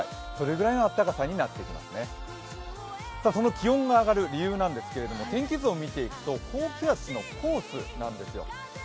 気温が上がる理由なんですけれども、天気図を見ていくと高気圧のコースなんですよ。